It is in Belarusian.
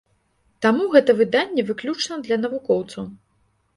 Таму гэта выданне выключна для навукоўцаў.